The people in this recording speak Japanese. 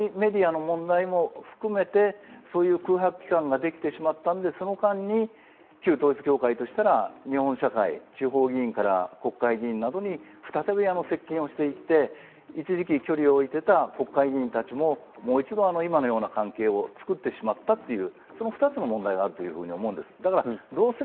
そういうマスコミ、メディアの問題も含めて、そういう空白期間ができてしまったので、その間に旧統一教会としたら日本社会、国会議員などに再び接近していって、一時期距離を置いていた国会議員たちももう一度、今のような関係を作ってしまったという、その２つの問題があるというふうに思うんです。